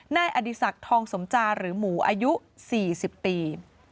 นายอดีศักดิ์ทองสมจาหรือหมูอายุ๔๐ปี